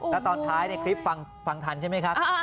แล้วตอนท้ายในคลิปฟังทันใช่ไหมครับ